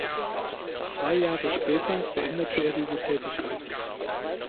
Zwei Jahre später beendete er diese Tätigkeit.